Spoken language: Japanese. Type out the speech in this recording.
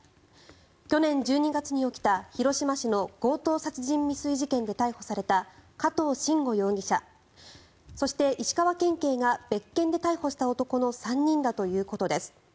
去年１２月に起きた広島市の強盗殺人未遂事件で逮捕された加藤臣吾容疑者そして石川県警が別件で逮捕した男の３人だということです。